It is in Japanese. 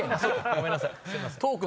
ごめんなさい。